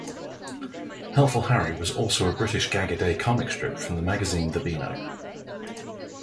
"Helpful Henry" was also a British gag-a-day comic strip from the magazine "The Beano".